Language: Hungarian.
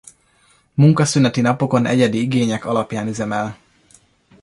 Munkaszüneti napokon egyedi igények alapján üzemel.